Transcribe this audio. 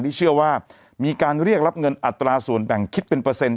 เชื่อว่ามีการเรียกรับเงินอัตราส่วนแบ่งคิดเป็นเปอร์เซ็น